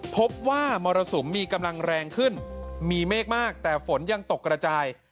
พบว่ามรสุมมีกำลังแรงขึ้นมีเมฆมากแต่ฝนยังตกกระจาย